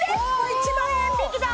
１万円引きだ！